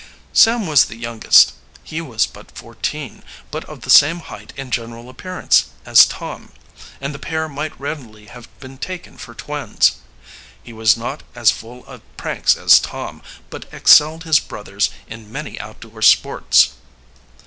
Sam was the youngest. He was but fourteen, but of the same height and general appearance as Tom, and the pair might readily have been taken for twins. He was not as full of pranks as Tom, but excelled his brothers in many outdoor sports.